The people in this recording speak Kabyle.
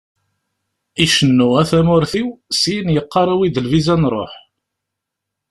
Icennu "A tamurt-iw", syin yeqqar "Awi-d lviza ad nruḥ"!